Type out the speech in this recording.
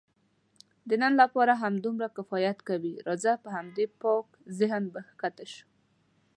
د نن لپاره همدومره کفایت کوي، راځه په همدې پاک ذهن به کښته شو.